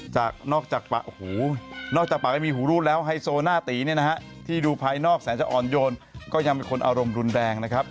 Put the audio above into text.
นอกจากปากไม่มีหูรูดแล้วไฮโซหน้าตีเนี่ยนะฮะที่ดูภายนอกแสนจะอ่อนโยนก็ยังเป็นคนอารมณ์รุนแรงนะครับ